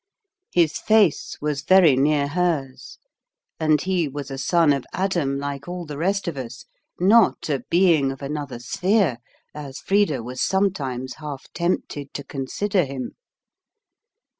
His face was very near hers, and he was a son of Adam, like all the rest of us not a being of another sphere, as Frida was sometimes half tempted to consider him.